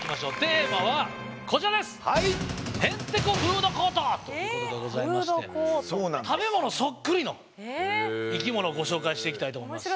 「へんてこフードコート」ということでございまして食べものそっくりの生き物をご紹介していきたいと思います。